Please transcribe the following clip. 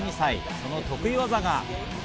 その得意技が。